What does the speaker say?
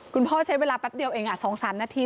คุณพ่อใช้เวลาแป๊บเดียวเอง๒๓นาที